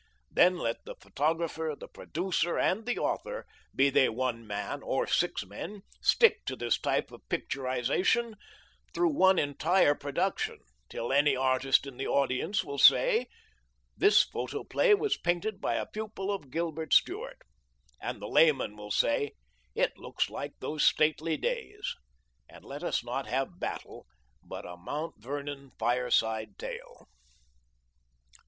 Then let the photographer, the producer, and the author, be they one man or six men, stick to this type of picturization through one entire production, till any artist in the audience will say, "This photoplay was painted by a pupil of Gilbert Stuart"; and the layman will say, "It looks like those stately days." And let us not have battle, but a Mount Vernon fireside tale.